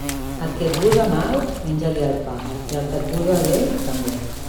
A qui et vulga mal, menja-li el pa, i al que et vulga bé, també.